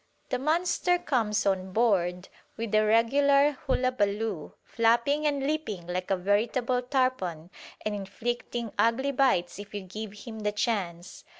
The monster comes on board with a regular hullabaloo, flapping and leaping like a veritable tarpon and inflicting ugly bites if you give him the chance.